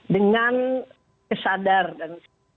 dengan kesadar dan